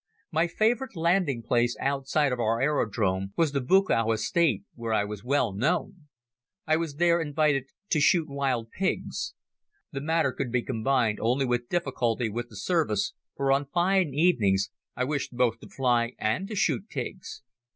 My favorable landing place outside of our aerodrome was the Buchow Estate where I was well known. I was there invited to shoot wild pigs. The matter could be combined only with difficulty with the service, for on fine evenings I wished both to fly and to shoot pigs.